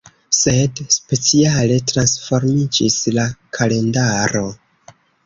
Sed speciale transformiĝis la kalendaro.